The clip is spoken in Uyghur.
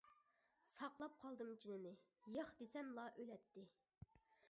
ساقلاپ قالدىم جېنىنى، ياق دېسەملا ئۆلەتتى.